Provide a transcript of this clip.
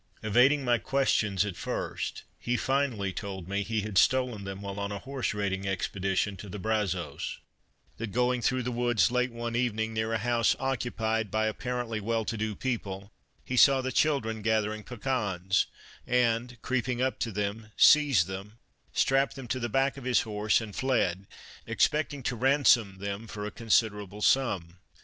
Evading my questions at first, he finally told me that he had stolen them while on a horse raiding expedition to the Brazos ; that going through the woods late one evening near a house occupied by apparently well to do people, he saw the 86 The Alcalde's Daughter children gathering: pecans, and creeping up to them, seized them, strapped them to the back of his horse and fled, expecting to ransom them for a considerable sum.